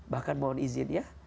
bahkan mohon izin ya